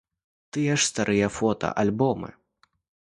Тыя ж старыя фота, альбомы?